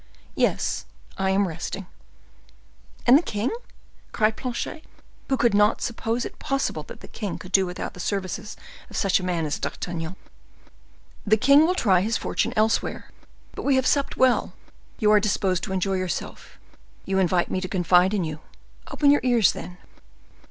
"Yes, I am resting." "And the king?" cried Planchet, who could not suppose it possible that the king could do without the services of such a man as D'Artagnan. "The king will try his fortune elsewhere. But we have supped well, you are disposed to enjoy yourself; you invite me to confide in you. Open your ears, then."